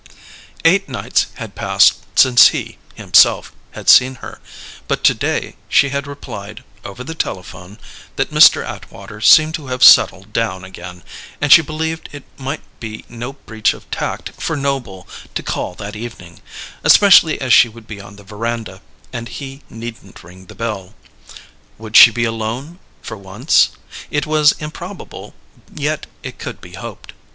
Eight nights had passed since he, himself, had seen her, but to day she had replied (over the telephone) that Mr. Atwater seemed to have settled down again, and she believed it might be no breach of tact for Noble to call that evening especially as she would be on the veranda, and he needn't ring the bell. Would she be alone for once? It was improbable, yet it could be hoped.